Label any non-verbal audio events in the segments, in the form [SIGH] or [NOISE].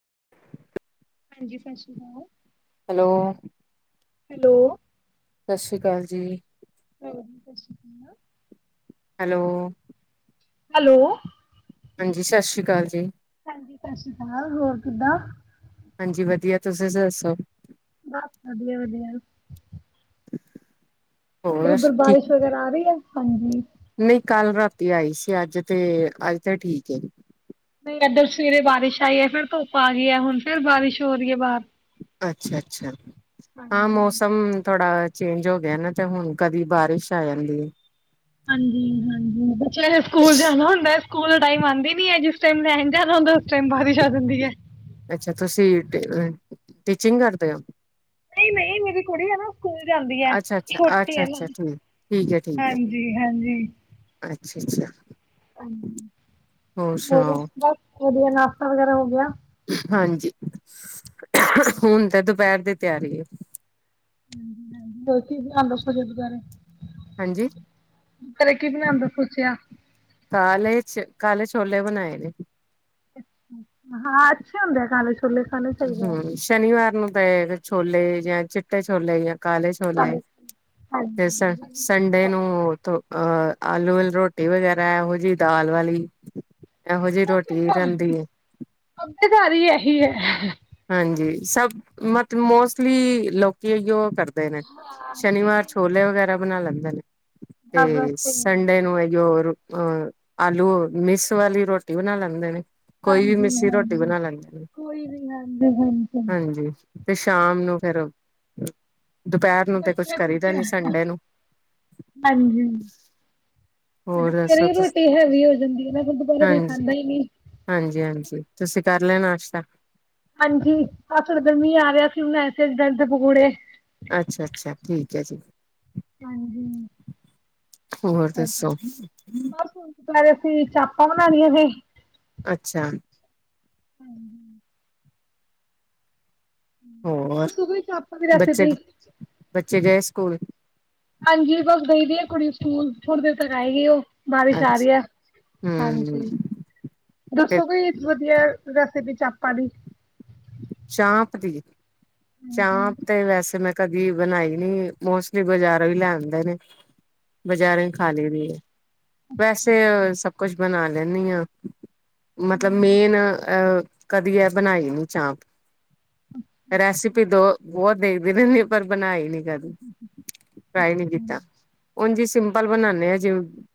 [UNINTELLIGIBLE] ਹਾਂਜੀ ਸਤਿ ਸ੍ਰੀ ਅਕਾਲ ਹੈਲੋ ਹੈਲੋ ਸਤਿ ਸ੍ਰੀ ਅਕਾਲ ਜੀ ਹਾਂਜੀ ਸਤਿ ਸ਼੍ਰੀ ਅਕਾਲ ਹੈਲੋ ਹੈਲੋ ਹਾਂਜੀ ਸਤਿ ਸ਼੍ਰੀ ਅਕਾਲ ਜੀ। ਹਾਂਜੀ ਸਤਿ ਸ੍ਰੀ ਅਕਾਲ। ਹੋਰ ਕਿੱਦਾਂ ਹਾਂਜੀ ਵਧੀਆ। ਤੁਸੀਂ ਦੱਸੋ ਬੱਸ ਵਧੀਆ ਵਧੀਆ। ਹੋਰ ਉਧਰ ਠੀਕ ਬਾਰਿਸ਼ ਵਗੈਰਾ ਆ ਰਹੀ ਹੈ ਹਾਂਜੀ ਨਹੀਂ ਕੱਲ ਰਾਤੀ ਆਈ ਸੀ ਅੱਜ ਤੇ ਅੱਜ ਤੇ ਠੀਕ ਏ ਨਹੀਂ ਇੱਧਰ ਸਵੇਰੇ ਬਾਰਿਸ਼ ਆਈ ਹੈ ਫੇਰ ਧੁੱਪ ਆ ਗਈ ਹੈ ਹੁਣ ਫੇਰ ਬਾਰਿਸ਼ ਹੋ ਰਹੀ ਹੈ ਬਾਹਰ ਅੱਛਾ ਅੱਛਾ ਹਾਂ ਹਾਂਜੀ ਮੌਸਮ ਥੋੜਾ ਚੇਂਜ ਹੋ ਗਿਆ ਨਾ ਤੇ ਹੁਣ ਕਦੀ ਬਾਰਿਸ਼ ਆ ਜਾਂਦੀ ਹਾਂਜੀ ਹਾਂਜੀ ਬੱਚੇ ਸਕੂਲ ਜਾਣਾ ਹੁੰਦਾ ਸਕੂਲ ਟਾਈਮ ਆਉਂਦੀ ਨੀ ਜਿਸ ਟਾਈਮ ਜਾਣਾ ਹੁੰਦਾ ਉਸ ਟਾਈਮ ਭਾਰੀ ਛ ਦਿੰਦੀ ਹੈ ਅੱਛਾ ਤੁਸੀਂ ਟੀਚਿੰਗ ਕਰਦੇ ਹੋ ਨਹੀਂ ਨਹੀਂ ਮੇਰੀ ਕੁੜੀ ਹੈ ਨਾ ਸਕੂਲ ਜਾਂਦੀ ਹੈ ਅੱਛਾ ਅੱਛਾ ਛੋਟੀ ਅੱਛਾ ਹੈ ਨਾ ਅੱਛਾ ਠੀਕ ਠੀਕ ਹੈ ਠੀਕ ਹੈ ਹਾਂਜੀ ਹਾਂਜੀ ਅੱਛਾ ਅੱਛਾ ਹਾਂਜੀ ਹੋਰ ਬ ਵਧੀਆ ਨਾ ਾ [UNINTELLIGIBLE] ਵਗੈਰਾ ਹੋ ਗਿਆ ਹਾਂਜੀ ਹੁਣ ਤਾਂ ਦ [UNINTELLIGIBLE] ਦੁਪਹਿਰ ਦੀ ਤਿਆਰੀ ਹੈ ਹ ਹ ਚੀ ਆਦਰਜੇ ਵਾਰੇ ਹਾਂਜੀ [UNINTELLIGIBLE] ਪਰ [UNINTELLIGIBLE] ਕੀ ਬਣਾਦਾ ਸੋਚਿਆ ਕਾਲੇ ਚ ਕਾਲੇ ਛੋਲੇ ਬਣਾਏ ਨੇ ਅੱਛਾ ਹਾਂ ਅੱਛੇ ਹੁੰਦੇ ਆ ਕਾਲੇ ਛੋਲੇ ਖਾਣੇ ਚਾਹੀਦੇ ਆ ਹਮ ਸ਼ਨੀਵਾਰ ਨੂੰ [UNINTELLIGIBLE] ਛੋਲੇ ਜਾਂ ਚਿੱਟੇ ਛੋਲੇ ਜਾਂ ਕਾਲ ਛੋਲੇ ਕਾਲੇ ਹਾਂਜੀ। ਤੇ ਸੰ ਸੰਡੇ ਨੂੰ ਧੁ ਅਹ ਆਲੂ ਰੋਟੀ ਵਗੈਰਾ ਇਹੋ ਜਿਹੀ ਦਾਲ ਵਾਲੀ ਇਹੋ ਜਿਹੀ ਰੋਟੀ ਸ ਰਹਿੰਦੀ ਹੈ ਹੀ [UNINTELLIGIBLE] ਇਹੀ ਹੈ ਹ [UNINTELLIGIBLE] ਹਾਂਜੀ ਸਭ ਮਤਲਬ ਮੋਸਟਲੀ ਲੋਕੀ ਅਹਿਯੋ ਉਹ ਕਰਦੇ ਨੇ ਸ਼ਨੀਵਾਰ ਸੇਮ ਛੋਲੇ ਵਗੈਰਾ ਬਣਾ ਲੈਂਦੇ ਨੇ ਬਸ ਤੇ ਸੇਮ ਸੰਡੇ ਨੂੰ ਇਹਯੇ ਹੋਰ ਅਹ ਆਲੂ ਮਿਸ ਵਾਲੀ ਰੋਟੀ ਬਣਾ ਲੈਂਦੇ ਨੇ ਕੋਈ ਵੀ ਮਿੱਸੀ ਰੋਟੀ ਬਣਾ ਲੈਂਦੇ ਨੇ ਹਦੇ ਹਾਂਜੀ [UNINTELLIGIBLE] ਤੇ ਸ਼ਾਮ ਨੂੰ ਫੇਰ ਦੁਪਹਿਰ ਨੂੰ ਤੇ ਕੁਛ ਕਰੀਦਾ [INAUDIBLE] ਨੀ ਸੰਡੇ ਨੂੰ ਹਾਂਜੀ ਹੋਰ ਦੱਸੋ ਦੁਪਹਿਰੇ ਤੁਸੀਂ ਰੋਟੀ ਹੈਵੀ ਹੋ ਜਾਂਦੀ ਨਾ ਦੁਬਾਰਾ ਕੋਈ ਹਾਂਜੀ, ਖਾਂਦਾ ਹੀ ਨਹੀਂ ਹਾਂਜੀ, ਹਾਂਜੀ ਤੁਸੀਂ ਕਰ ਲਿਆ ਨਾਸ਼ਤਾ [INAUDIBLE] ਹਾਂਜੀ ਆ ਫਿਰਦ ਮੀਆ ਰਿਹਾ ਸੀਿਰ ਹਨੂੰ ਐਸੇ ਦਰਦ ਪਕੂੜੇ ਅੱਛਾ ਅੱਛਾ ਠੀਕ ਹੈ ਜੀ ਹਾਂਜੀ ਹੋਰ ਅੱਛਾ ਦੱਸੋ? ਬਸ ਹੁਣ [UNINTELLIGIBLE] ਤੇ ਚਾਪਾਂ ਬਣਾਉਣੀਆਂ ਸੀ ਅੱਛਾ [UNINTELLIGIBLE] ਹੋਰ [INAUDIBLE] ਚੱਲੇ ਸਕੂਲ ਹਾਂਜੀ ਬਸ ਗਈਦੀ ਆ ਕੁੜੀ ਸਕੂਲ ਥੋੜੀ ਦੇਰ ਤੱਕ ਆਏਗੀ ਉਹ ਬਾਰਿਸ਼ ਆ ਰਹੀ ਅੱਛਾ ਹੈ ਹੂੰ ਹਾਂਜੀ ਤੇ ਦੱਸੋ ਕੋ ਵਧੀਆ ਰੈਸਿਪੇ ਚੰਪਾ ਦੀ ਚਾਂਪ ਦੀ ਚਾਂਪ ਤੇ ਵੈਸੇ ਮੈਂ ਕਦੀ ਬਣਾਈ ਨੀ ਮੋਸਟਲੀ ਬਜ਼ਾਰੋਂ ਹੀ ਲੈ ਆਂਦੇ ਨੇ ਬਜ਼ਾਰੇ ਖਾਲੀ ਦੀ ਏ ਵੈਸੇ ਸਭ ਕੁਛ ਬਣਾ ਲੈਨੀ ਹਾਂ ਮਤਲਬ ਮੇਨ ਅਹ ਕਦੀ ਇਹ ਬਣਾਈ ਨੀ ਚਾਂਪ ਰੈਸੀਪੇ ਤੋਂ ਬਹੁਤ [INAUDIBLE] ਪਰ ਬਣਾਈ [INAUDIBLE] ਟਰਾਈ ਨੀ ਕੀਤਾ ਹੁਣ ਜੀ ਸਿੰਪਲ ਬਣਾਦੇ ਹਾਂ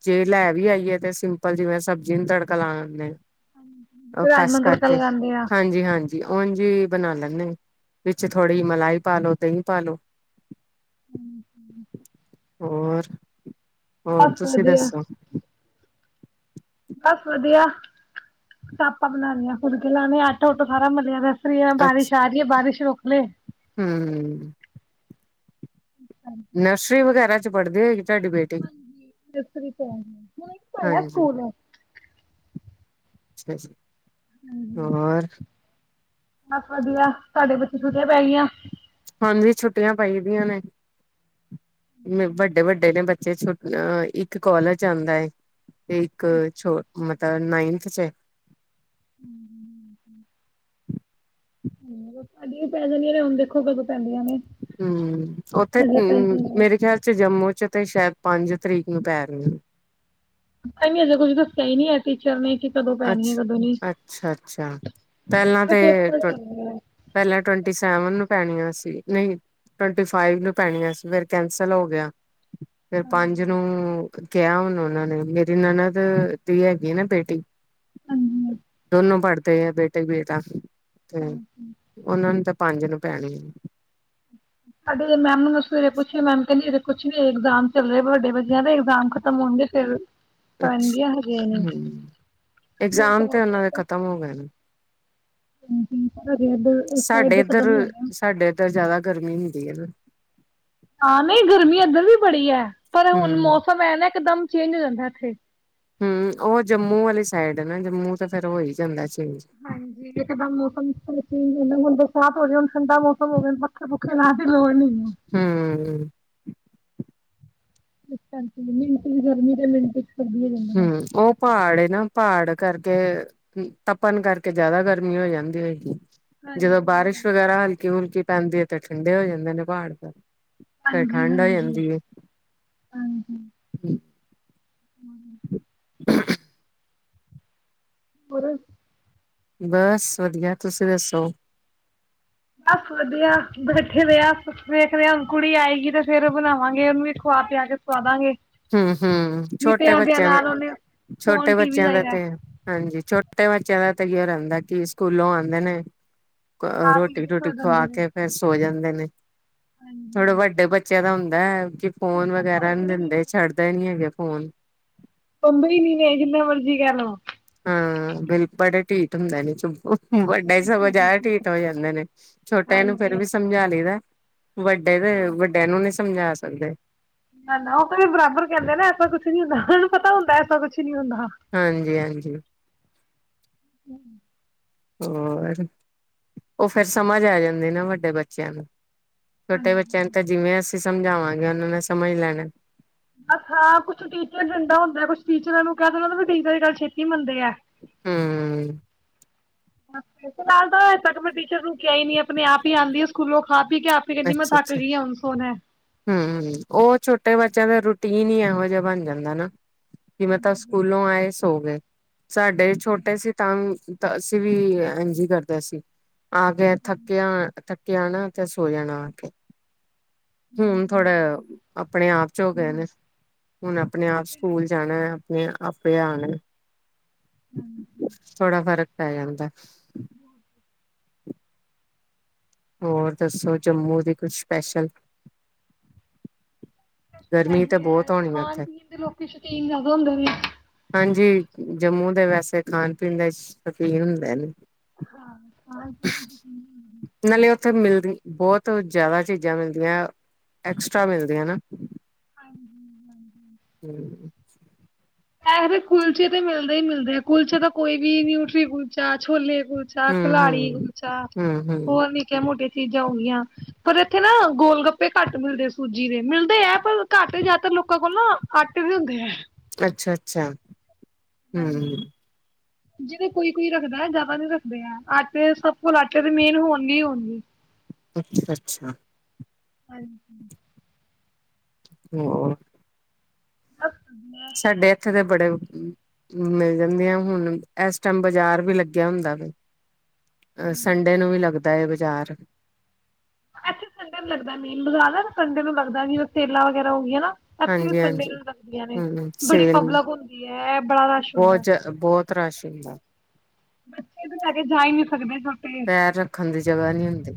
ਜੇ ਲੈ ਵੀ ਆਈਏ ਤੇ ਸਿੰਪਲ ਜਿਵੇਂ ਸਬਜ਼ੀ ਨੂੰ ਤੜਕਾ ਲਾ ਲਦੇ ਹ ਰਾਜਮਾ ਨੂੰ ਤੜਕਾ ਲਗਾਉਂਦੀ ਆਂ ਹਾਂਜੀ-ਹਾਂਜੀ ਉਝ ਹੀ ਬਣਾ ਲੈਂਦੇ ਵਿੱਚ ਥੋੜ੍ਹੀ ਮਲਾਈ ਪਾਲੋ ਦਹੀ ਪਾਲੋ [INAUDIBLE] ਹੋਰ ਬਸ ਵਧੀਆ ਬਸ ਵਧੀਆ ਚਾਪਾਂ ਬਣਾਾਨੀਆਂ ਫੁਲਕੇ ਲਾਣੇ ਆਟਾ ਉਟਾ ਸਾਰਾ ਮਿਲਿਆ ਦਾ ਬਾਰਿਸ਼ ਆ ਰਹੀ ਹੈ ਬਾਰਿਸ਼ ਰੋਕ ਲੈ [UNINTELLIGIBLE] ਹੂ ਹਾਂਜੀ ਨਰਸਰੀ ਵਗੈਰਾ ਚ ਪੜ੍ਹਦੇ ਹੋਏਗੀ ਤੁਹਾਡੀ [INAUDIBLE] ਬੇਟੀ ਹਾਂਜੀ ਭੋਲਾ ਹਾਂਜੀ ਸਕੂਲ ਸਪੇਸ ਹਾਂਜੀ। [INAUDIBLE] ਬਸ ਵਧੀਆ ਸਾਡੇ ਬੱਚੇ ਛੁਟੀਆਂ ਪੈ ਗਈਆਂ ਹੁਣ ਵੀ ਛੁੱਟੀਆਂ ਪਾਈਦੀਆਂ ਨੇ ਵੱਡੇ ਵੱਡੇ ਨੇ ਬ [INAUDIBLE] ਇੱਕ ਕੋਾਲਜ ਆਉਂਦਾ ਹੈ ਇੱਕ ਛੋ ਮਲ ਅ ਨਾਇਨਥ ਚ ਏ ਸਾਡੀਆ ਵੀ ਪੈ ਜਾਨੀਆਂ ਨੇ ਹੁਣ ਦੇਖੋ ਕਦੋ ਹਮ ਉੱਥੇ ਹਜੇ ਪਈ ਹਮ ਨਹੀਂ ਹੈ। ਮੇਰੇ ਖਿਆਲ ਚ ਜੰਮੂ ਚ ਤੇ ਸ਼ਾਇਦ ਤੇ ਪੰਜ ਤਰਿਕ ਨੂੰ ਪੈਨ ਗ ਹਜੇ ਕੁੱਝ ਦੱਸਿਆ ਹੀ ਨੀ ਹੈ ਟੀਚਰ ਨੇ ਕਿ ਕਦੋਂ ਪੈਣੀ ਹੈ ਕਦੋਂ ਨਹੀਂ। ਅੱਛ-ਅੱਛਾ-ਅੱਛਾ ਪਹਿਲਾਂ ਹਜੇ ਤਾ ਪੇਪਰ ਟੋ ਚੱਲ ਰਿਹਾ। ਪਹਿਲਾ ਟਵਨਟੀ ਸੈਵਨ ਨੂੰ ਪੈਣੀਆਂ ਸੀ, ਨਹੀਂ ਟਵੰਟੀ ਫਾਈਵ ਨੂੰ ਪੈਣੀਆਂ ਸੀ ਫੇਰ ਕੈਂਸਲ ਹੋ ਗਿਆ। ਫਿਰ ਪੰਜ ਹਾਂਜੀ। ਨੂੰ ਕਿਆ ਹੁਣ ਉਹਨਾਂ ਨੇ ਮੇਰੀ ਨਾਨਦ ਦੀ ਹੈਗੀ ਨਾ ਬੇਟੀ ਹਾਂਜੀ। ਦੋਨੋ ਪੜ੍ਹਦੇ ਆ ਬੇਟੀ, ਬੇਟਾ ਤੇ ਉਨਾਂ ਨੂੰ ਤਾਂ ਪੰਜ ਨੂੰ ਪੈਣਗੇ ਸਾਡੇ ਮੈਮ ਨੂੰ ਸਵੇਰੇ ਪੁੱਛਿਆ ਮੈਮ ਕਿਹੰਦੀ ਅਜੇ ਕੁਝ ਨੀ‌ ਅਗਜਾਮ ਚੱਲ ਰਹੇ ਵੱਡਾ ਬੱਚਿਆਂ ਦੇ ਅਗਜਾਮ ਖਤਮ ਹੋਣਗੇ ਫਿਰ ਅੱਛਾ ਪੈਣਗੀਆਂ ਹਜੇ ਨੀ। ਹਮ ਮੈਂ ਇਗਜ਼ਾਮ ਕਿਹਾ ਚਲੋ ਤੇ ਉਹਨਾਂ ਦੇ ਖਤਮ ਹੋ ਗਏ ਨੇ। ਹੂੰ-ਹੁ ਸਾਡੇ ਇੱਧਰ ਸਾਡੇ ਇੱਧਰ ਜ਼ਿਆਦਾ ਗਰਮੀ ਠੀਕ ਹੈ ਨਾ ਹਾਂ ਨਹੀਂ ਗਰਮੀ ਇੱਧਰ ਵੀ ਬੜੀ ਹੈ, ਪਰ ਹੁਣ ਹੂੰ, ਮੌਸਮ ਐ ਨਾ ਇਕਦਮ ਚੇਂਜ ਹੋ ਜਾਂਦਾ ਇੱਥੇ ਹਮ ਉਹ ਜੰਮੂ ਵਾਲੀ ਸਾਈਡ ਨਾ ਜੰਮੂ ਤਾਂ ਫੇਿਰ ਹੋ ਹੀ ਜਾਂਦਾ ਚੇਂਜ ਹਾਂਜੀ ਇੱਕ ਦਮ ਮੌਸਮ ਚੇਂਜ ਹੋ ਜਾਂਦਾ। ਹੁਣ ਬਰ ਸਾਤ ਹੋ ਰਹੀ ਹੁਣ ਠੰਡਾ ਮੋਸਮ ਹੋਵੇ ਬਾ ਪੱਖੇ-ਪੁੱਖੇ ਲਾਣ ਦੀ ਲੋੜ ਨੀ ਹੂੰ। ਮਿੰਟ ਚ ਗਰਮੀ ਤੇ ਮਿੰਟ ਚ ਸਰਦੀ ਹੋ ਜਾਂਦੀ ਹੂੰ ਹੈ। ਉਹ ਪਾੜ ਏ ਨਾ- ਪਾੜ ਕਰਕੇ, ਤਪਣ ਕਰਕੇ ਜਿਆਦਾ ਗਰਮੀ ਹੋ ਜਾਂਦੀ ਹੋਏਗੀ। ਜਦੋਂ ਹਾਂਜੀ ਬਾਰਿਸ਼ ਹਾਂਜੀ। ਵਗੈਰਾ ਹਲਕੀ-ਹੁਲਕੀ ਪੈਂਦੀ ਹੈ ਤੇ ਠੰਡੇ ਹੋ ਜਾਂਦੇ ਨੇ ਪਾੜ ਫੇਰ ਫਿਰ ਹਾਂਜੀ ਠੰਡ ਹੋ ਹਾਂਜੀ। ਜਾਂਦੀ ਏ। ਹਾਂਜੀ [UNINTELLIGIBLE] ਹੋਰ ਬਸ ਵਧੀਆ ਤੁਸੀ ਦੱਸੋ? ਬਸ ਵਧੀਆ ਬੈਠੇ ਦੇ ਆ ਕੁਛ ਵੇਖ ਰਹੇ ਆ ਕੁੜੀ ਆਏਗੀ ਤੇ ਫੇਰ ਬਣਾਵਾਂਗੇ ਉਹਨੂੰ ਵੀ ਖਵਾ ਪਿਆ ਕੇ ਸਵਾਦਾਂਗੇ। ਹਮ ਹਮ ਨਹੀਂ ਤੇ ਛੋਟੇ ਆਂਦਿਆਂ ਬੱਚਿਆਂ ਦਾ ਨਾਲ ਉਹਨੇ ਛੋਟੇ ਫੋਨ ਟੀ ਵੀ ਬੱਚਿਆਂ ਦਾ ਚਾਹੀਦਾ ਤੇ ਹਾਂਜੀ ਛੋਟੇ ਛੋਟੇ ਬੱਚਿਆਂ ਦਾ ਇਓ ਰਹਿੰਦਾ ਕਿ ਸਕੂਲੋਂ ਆਉਂਦੇ ਨੇ ਖਾ ਪੀ ਰੋਟੀ- ਕੇ ਰੂਟੀ ਸੋ ਖਵਾ ਜਾਂਦੇ ਨੇ ਕੇ ਫੇਿਰ ਸੋ ਜਾਂਦੇ ਨੇ [UNINTELLIGIBLE] ਥੋੜੇ ਹਾਂਜੀ। ਵੱਡੇ ਬੱਚਿਆਂ ਦਾ ਹੁੰ- [INAUDIBLE] ਫੋਨ ਵਗੈਰਾ ਨੀ ਪਾਉਂਦੇ ਦਿੰਦੇ ਨੀ ਹੈਗਾ ਫੋਨ ਕੀ ਕਰ ਰਿਹੇ ਹੋ? ਹਾਂ। ਬੜੇ ਢੀਠ ਹੁੰਦੇ ਨੇ ਚੰਪੂ ਵੱਡੇ ਸਗੋਂ ਜ਼ਿਆਦਾ ਢੀਠ ਹੋ ਜਾਂਦੇ ਨੇ, ਛੋਟਿਆਂ ਨੂੰ ਫੇਰ ਹਾਂਜੀ। ਵੀ ਸਮਝਾ ਲਈਦਾ। ਵੱਡੇ ਤੇ ਵੱਡਿਆਂ ਨੂੰ ਸਮਝਾ ਸਕਦੇ। ਨਾ, ਨਾ ਉਹ ਬਰਾਬਰ ਕਰਦੇ ਨੇ, ਐਸਾ ਕੁਛ ਨੀ ਹੁੰਦਾ ਉਹੂੰ ਪਤਾ ਹੁੰਦਾ ਐਸਾ ਕੁਛ ਨੀ ਹੁੰਦਾ। ਹਾਂਜੀ ਹਾਂਜੀ ਹੋਰ ਉਹ ਫੇਰ ਸਮਝ ਆ ਜਾਂਦੀ ਨਾ ਬ ਫਿਰ ਬੱਚਿਆਂ ਨੂੰ ਛੋਟੇ ਹਾਂਜੀ। ਬੱਚਿਆਂ ਨੂੰ ਤਾਂ ਜਿਵੇਂ ਅਸੀਂ ਸਮਝਾਵਾਂਗੇ ਉਹਨਾਂ ਨੇ ਸਮਝ ਲੈਣਾ। ਬਸ, ਹਾਂ ਕੁਛ ਟੀਚਰ ਡੰਡਾ ਹੁੰਦਾ। ਕੁਛ ਟੀਚਰਾਂ ਨੂੰ ਕਹਿ ਦੇ ਉਹ ਵੀ ਗੱਲ ਛੇਤੀ ਮੰਨਦੇ ਏ ਹੂੰ ਫਿਲਾਲ ਹਜੇ ਤੱਕ, ਮੈਂ ਟੀਚਰ ਰੁਕਿਆ ਹੀ ਨੀ ਆਪਣੇ ਆਪ ਹੀ ਆਉਂਦੀ ਆ ਸਕੂਲੋਂ ਖਾ ਪੀ ਕੇ ਆਪੇ ਕਹਿੰਦੀ ਮੈਂ ਅੱਛਾ ਥੱਕ ਅੱਛਾ ਗਈ ਆ ਹੁਣ ਸੋਣਾ। ਹਮ ਉਹ ਛੋ ਬੱਚਿਆਂ ਦਾ ਰੂਟੀਨ ਹੀ ਇਹੋ ਜਿਹਾ ਬਣ ਜਾਂਦਾ ਨਾ। ਕਿਵੇਂ ਤਾਂ ਸਕੂਲੋਂ ਆਏ ਸੋ ਗਏ। ਸਾਡੇ ਛੋਟੇ ਸੀ। ਤਾਂ ਤਾਂ, ਅਸੀਂ ਵੀ ਇੰਜੀ ਕਰਦੇ ਸੀ। ਆ ਗਿਆ ਥੱਕਿਆ ਥ ਆਉਣਾ ਤੇ ਸੋ ਜਾਣਾ। ਹੁਣ ਥੋੜਾ ਆਪਣੇ ਆਪ ਚ ਹੋ ਗਏ ਨੇ, ਹੁਣ ਆਪਣੇ ਆਪ ਸਕੂਲ ਜਾਣਾ ਆਪਣੇ ਆਪ [UNINTELLIGIBLE] ਥੋੜਾ ਫਰਕ ਪੈ ਜਾਂਦਾ ਹੈ। [UNINTELLIGIBLE] ਹੋਰ ਦੱਸੋ ਜੰਮੂ ਦੀ ਕੁਛ ਸਪੈਸ਼ਲ ਗਰਮੀ ਤੇ ਇਹੀ ਬਹੁਤ ਹੈ, ਹੋਣੀ ਆ ਖਾਣ ਉੱਥੇ ਪੀਣ ਦੇ ਲੋਕੀ ਸ਼ੌਕੀਨ ਜ਼ਿਆਦਾ ਹੁੰਦੇ ਨੇ ਹਾਂਜੀ ਜੰਮੂ ਦੇ ਵੈਸੇ ਖਾਣ ਪੀਣ ਦੇ ਸ਼ੌਕੀਨ ਹੁੰਦੇ ਨੇ। ਹਾਂ ਸ਼ੌਕੀਨ ਹੁੰਦੇ ਨੇ ਨਾਲੇ [UNINTELLIGIBLE] ਬਹੁਤ ਜ਼ਿਆਦਾ ਚੀਜ਼ਾਂ ਮਿਲਦੀਆਂ, ਐਕਸਟ੍ਰਰਾ ਮਿਲਦੀਆਂ ਨਾ। ਹਾਂਜੀ ਹਾਂਜੀ। ਹਮ [UNINTELLIGIBLE] [UNINTELLIGIBLE] ਕੁਲਚੇ ਤੇ ਮਿਲਦੇ ਹੀ ਮਿਲਦੇ ਕੁਲਚੇ ਤਾਂ ਕੋਈ ਵੀ ਨੀ ਉੱਠ [UNINTELLIGIBLE] ਕੁਲਚਾ ਛੋਲੇ ਕੁਲਚਾ ਕਲਾੜੀ ਹੂੰ-ਹੂੰ, ਕੁਲਚਾ ਹੂੰ-ਹੂੰ, ਹੋਰ ਨੀਕੇ ਮੋਟੇ ਚੀਜ਼ਾਂ ਹੋ ਗਈਆ ਪਰ ਇੱਥੇ ਨਾ ਗੋਲ ਗੱਪੇ ਘੱਟ ਮਿਲਦੇ ਸੂਜੀ ਦੇ ਮਿਲਦੇ ਹੈ ਪਰ ਘੱਟ ਜ਼ਿਆਦਾਤਰ ਲੋਕਾਂ ਕੋਲ ਨਾ ਆਟੇ ਦੇ ਹੁੰਦੇ ਹੈ। ਅੱਛਾ ਅੱਛਾ ਹਾਂਜੀ ਜਿਹਦੇ ਕੋਈ ਕੋਈ ਰੱਖਦਾ ਜਿਆਦਾ ਨੀ ਰੱਖਦੇ ਹੈ ਆਟੇ ਸਭ ਫਲ ਆਟੇ ਦੇ ਮੇਨ ਹੋਣਗੇ ਹੋਣਗੇ। ਅੱਛਾ ਅੱਛਾ ਹਾਂਜੀ ਹੋਰ [UNINTELLIGIBLE] ਸਾਡੇ ਇੱਥੇ ਦੇ ਬੜੇ [UNINTELLIGIBLE] ਮਿਲ ਜਾਂਦੀਆਂ ਹੁਣ ਇਸ ਟਾਈਮ ਬਾਜ਼ਾਰ ਵੀ ਲੱਗਿਆ ਹੁੰਦਾ ਵੇ। ਅ ਸੰਡੇ ਨੂੰ ਵੀ ਲੱਗਦਾ ਹੈ ਬਾਜ਼ਾਰ। [UNINTELLIGIBLE] ਅੱਛਾ ਸੰਡੇ ਨੂੰ ਲੱਗਦਾ ਮੇਨ ਬਾਜ਼ਾਰ। ਸੰਡੇ ਨੂੰ ਲੱਗਦਾ ਜਵੇ ਸੇਲਾਂ ਵਗੈਰਾ ਹੋ ਗਈਆਂ ਨਾ। ਇੱਥੇ ਵੀ ਸੰਡੇ ਹਾਂਜੀ-ਹਾਂਜੀ ਨੂੰ ਲਗਦੀਆਂ ਨੇ, ਹੂੰ ਬੜੀ ਸੇਲ ਪਬਲਿਕ ਹੁੰਦੀ ਹੈ ਬੜਾ ਰਸ਼ ਹੁੰਦਾ ਐ। ਬਹੁਤ [UNINTELLIGIBLE] ਬੱਚੇ ਤਾਂ ਲੈ ਕੇ ਜਾ ਹੀ ਨਹੀਂ ਸਕਦੇ ਛੋਟੇ। ਪੈਰ ਰੱਖਣ ਦੀ ਜਗ੍ਹਾ ਨਹੀਂ ਹੁੰਦੀ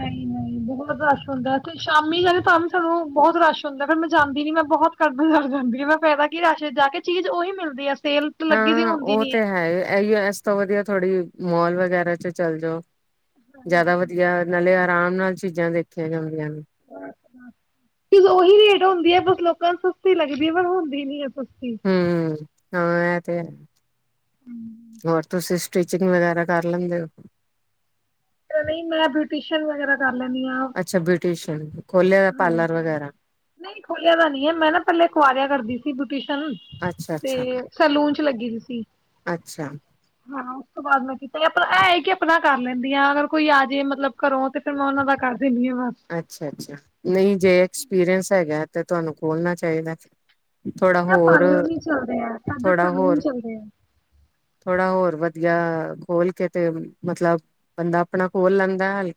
ਨਹੀਂ ਨਹੀਂ ਬਹੁਤ ਰਸ਼ ਹੁੰਦਾ ਤੇ ਸ਼ਾਮੀ ਜਾਵੇ ਤਾਂ ਵੀ ਸਾਨੂੰ ਬਹੁਤ ਰਸ਼ ਹੁੰਦਾ ਫਿਰ ਮੈਂ ਜਾਂਦੀ ਨ ਮੈਂ ਬਹੁਤ ਕਰਦਜ਼ ਜਾਂਦੀ ਹ ਮੈਂ ਪਾਇਦਾ ਕੀ ਰਸ਼ ਜਾ ਕੇ ਚੀਜ਼ ਓਹੀ ਮਿਲਦੀ ਹੈ। ਸੇਲ ਲੱਗੀ ਦੀ ਹਾਂ ਹੁੰਦੀ ਉਹ ਨੀ ਤੇ ਹੈ ਇਹੀ ਇਸ ਤੋਂ ਵਧੀਆ ਥੋੜ੍ਹੀ ਮੋਲ ਵਗੈਰਾ ਚ ਚੱਲ ਜੋ ਜ਼ਿਆਦਾ ਵਧੀਆ ਨਾਲੇ ਆਰਾਮ ਨਾਲ ਚੀਜ਼ਾਂ ਦੇਖੀਆਂ ਜਾਂਦੀਆਂ ਨੇ। [UNINTELLIGIBLE] ਤੇ ਓਹੀ ਰੇਟ ਹੋਂਦੀ ਹੈ ਲੋਕਾਂ ਨੂੰ ਸਸਤੀ ਲੱਗਦੀ ਐ ਪਰ ਹੁੰਦੀ ਨੀ ਐ ਸਸਤੀ ਹੂੰ ਹਾਂ ਇਹ ਤੇ ਹੈ ਹੋਰ ਤੁਸੀਂ ਸਟੀਿਚਿੰਗ ਵਗੈਰਾ ਕਰ ਲੈਂਦੇ ਹੋ। ਨਹੀਂ ਮੈਂ ਬਿਊਟੀਸ਼ਨਨ ਵਗੈਰਾ ਦਾ ਲੈਨੀ ਆਹ ਅੱਛਾ ਬਿਊਟੀਸ਼ਨ ਖੋਲਿਆ ਹੋਇਆ ਪਾਰਲਰ ਹਾਂਜੀ ਵਗੈਰਾ ਨਹੀਂ ਖੋਲਿਆ ਦਾ ਨਹੀਂ ਹੈ ਮੈਂ ਨਾਂ ਪਹਿਲਾ ਕੁਵਾਰਿਆ ਕਰਦੀ ਸੀ ਬਯੁਤੀਸ਼ਨ ਤੇ ਅੱਛਾ-ਅੱਛਾ, ਸਲੂਨ ਚ ਲੱਗੀ ਦੀ ਸੀ ਅੱਛਾ। ਹਾਂ ਉਸਦੋ ਬਾਅਦ ਮੈਂ ਕੀ ਚਲੋ ਅਪਨਾ ਇਹ ਹੈ ਕਿ ਆਪਣਾ ਕਰ ਯਾ ਅਗਰ ਕੋਈ ਆ ਜੇ ਮਤਲਬ ਘਰੋਂ ਤੇ ਫਿਰ ਮੈਂ ਉਹਨਾਂ ਦਾ ਕਰ ਦਿੰਦੀ ਹਾਂ ਬਸ ਅੱਛਾ-ਅੱਛਾ ਨਹੀਂ ਜੇ ਐਕਸਪੀਰੀਅੰਸ ਹੈਗਾ ਤੇ ਤੁਹਾਨੂੰ ਖੋਲਣਾ ਚਾਹੀਦਾ ਥੋੜਾ ਪਰ ਹੋਰ ਪਾਰਲਰ ਨਹੀਂ ਚਲਦੇ ਐ ਸਗੋਂ ਥੋੜਾ ਸੈਲੂਨ ਹੋਰ ਚੱਲਦੇ ਹੈ। ਥੋੜਾ ਹੋਰ ਵਧੀਆ ਖੋਲ ਕੇ ਤੇ ਮਤਲਬ ਬੰਦਾ ਆਪਣਾ ਖੋਲ ਲੈਂਦਾ ਹੈ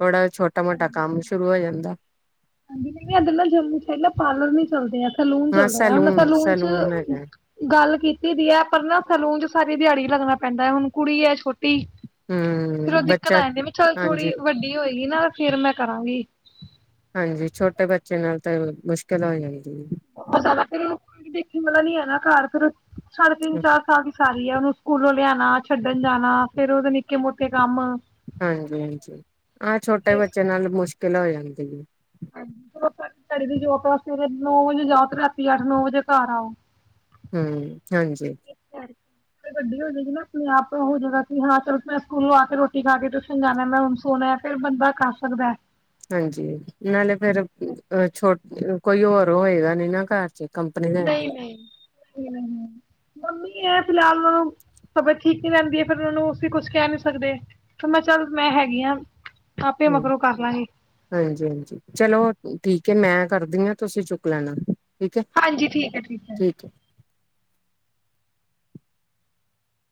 ਥੋੜਾ ਛੋਟਾ ਮੋਟਾ [INAUDIBLE] ਸ਼ੁਰੂ ਹੋ ਜਾਂਦਾ। ਹਾਂਜੀ ਨਹੀਂ ਐਦਾਂ ਨਾ ਜੰਮੂ ਚ ਹੈ ਨਾਂ ਪਾਰਲਰ ਨੀ ਚੱਲਦੇ ਐਤ ਸੈਲੂਨ ਚੱਲਦੇ ਆਂ ਮੈਂ ਸੈਲੂਨ ਚ ਗੱਲ ਕੀਤੀ ਦੀ ਹੈ ਪਰ ਨਾ ਸੈਲੂਨ ਚ ਸਾਰੀ ਦਿਹਾੜੀ ਲੱਗਨਾਂ ਪੈਂਦਾ ਹੈ ਹੁਣ ਕੁੜੀ ਐ ਛੋ ਟੀ ਫੇਰ ਹੂੰ ਉਹ ਦਿੱਕਤ ਆ ਬੱਚਾ ਜਾਂਦੀ ਐ ਵੀ ਚੱਲ ਥੋੜੀ ਹਾਂਜੀ-ਹਾਂਜੀ ਵੱਡੀ ਹੋਏਗੀ ਨਾ ਫਿਰ ਮੈਂ ਕਰਾਂਗੀ ਹਾਂਜੀ ਛੋਟੇ ਬੱਚੇ ਨਾਲ ਤਾਂ ਮੁਸ਼ਕਿਲ ਹੋ ਜਾਂਦੀ ਏ ਉਹਦਾ ਨਾਂ ਫ਼ਿਰ ਦੇਖਣ ਵਾਲਾ ਨੀ ਹੈ ਨਾ ਘਰ ਕਰਨ ਸਾਢੇ ਤਿੰਨ ਚਾਰ ਸਾਲ ਵੀ ਸਾਰੀ ਹੈ ਉਹਨੂੰ ਸਕੂਲੋਂ ਲਿਆਣਾ ਛੱਡਣ ਜਾਣਾ ਫੇਰ ਉਹਦੇ ਨਿੱਕੇ ਮੋਟੇ ਕੰਮ ਹਾਂਜੀ ਆਹ ਛੋਟੇ ਬੱਚੇ ਨਾਲ ਮੁਸ਼ ਕਿਲਾ ਹੋ ਜਾਂਦੀ ਹੈ। ਹਾਂਜੀ ਚਲੋ [UNINTELLIGIBLE] ਦੀ ਜੋਬ ਆਂ ਫ਼ਿਰ ਨੋਹ ਵੱਜੇ ਜਾਓ ਫ਼ਿਰ ਰਾਤੀ ਅੱਠ ਨੋਹ ਵਜੇ ਘਰ ਆਓ ਹੂੰ ਹਾਂਜੀ ਥੋੜੀ ਵੱਡੀ ਹੋ ਜੇਗੀ ਨਾ ਆਪਣੇ ਆਪ ਹੋ ਜੇਗਾ ਕਿ ਹਾਂ ਚਲ ਮੈਂ ਸਕੂਲੋ ਆ ਕੇ ਰੋਟੀ ਖਾ ਕੇ ਟਿਊਸ਼ਨ ਜਾਣਾ ਮੈਂ ਹੁਣ ਸੋਣਾ ਫਿਰ ਬੰਦਾ ਕਰ ਸਕਦਾ ਐ ਹਾਂਜੀ ਨਾਲੇ ਫੇਿਰ ਅ ਛੋਟ ਅ ਕੋਈ ਹੋਰ ਹੋਏਗਾ ਨੀ ਨਾ ਘਰ ਚ ਕੰਪਨੀ ਦੇਨ ਨੂੰ ਮੰਮੀ ਹੈ ਫਿਲਹਾਲ ਉਹਨਾਂ ਨੂੰ ਤਬੀਅਤ ਠੀਕ ਨੀ ਰਹਿੰਦੀ ਹੈ ਫ਼ਿਰ ਉਹਨਾਂ ਨੂੰਂ ਅਸੀਂ ਕੁਛ ਕਹਿ ਨੀ ਸਕਦੇ ਕੀ ਮੈਂ ਚੱਲ ਮੈਂ ਹੈਗੀ ਹਾਂ ਆਪੇ ਹਮ ਮਗਰੋਂ ਕਰ ਲਾਂਗੇ ਹਾਂਜੀ-ਹਾਂਜੀ ਚਲੋ ਠੀਕ ਤੇ ਮੈਂ ਕਰਦੀ ਹਾਂ ਤੁਸੀਂ ਚੁੱਕ ਲੈਣਾ ਠੀਕ ਹਾਂਜੀ ਠੀਕ ਹੈ-ਠੀਕ ਹੈ ਏ-ਠੀਕ ਏ।